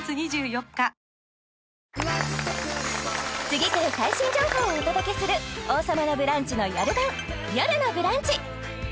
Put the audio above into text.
次くる最新情報をお届けする「王様のブランチ」のよる版「よるのブランチ」